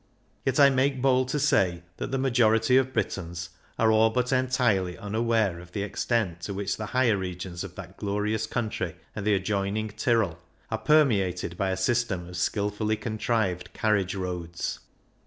Yet I make bold to say that the majority of Britons are all but entirely unaware of xvi PREFACE the extent to which the higher regions oi that glorious country and the adjoining Tyrol are permeated by a system of skil fully contrived carriage roads.